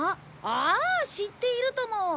ああ知っているとも！